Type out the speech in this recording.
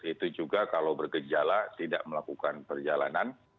itu juga kalau bergejala tidak melakukan perjalanan